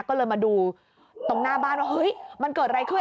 ก็เลยมาดูตรงหน้าบ้านว่าเฮ้ยมันเกิดอะไรขึ้น